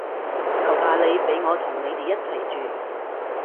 求下你畀我同你哋一齊住